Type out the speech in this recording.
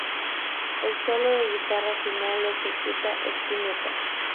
El solo de guitarra final lo ejecuta Spinetta.